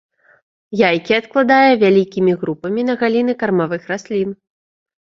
Яйкі адкладае вялікімі групамі на галіны кармавых раслін.